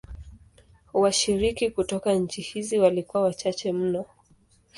Washiriki kutoka nchi hizi walikuwa wachache mno.